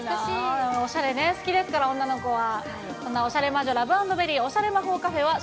おしゃれ好きですから、女の子は。